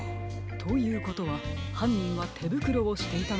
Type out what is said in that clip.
ということははんにんはてぶくろをしていたのかもしれませんね。